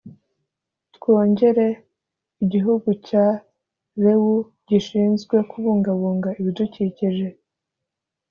twongere igihugu cya rewu gishinzwe kubungabunga ibigukikije